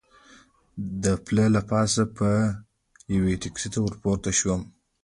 د پله له پاسه به یوې ټکسي ته ور پورته شو.